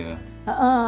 iya buat isinya